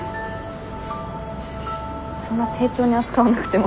そんな丁重に扱わなくても。